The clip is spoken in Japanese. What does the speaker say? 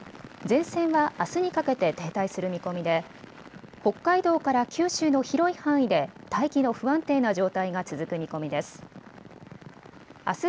前線は、あすにかけて停滞する見込みで北海道から九州の広い範囲で大気の不安定な状態が続く見込みです。